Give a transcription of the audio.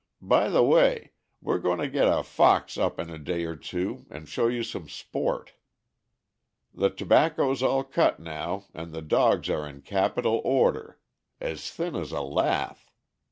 By the way, we're going to get a fox up in a day or two and show you some sport. The tobacco's all cut now, and the dogs are in capital order as thin as a lath.